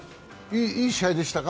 いい試合でしたか？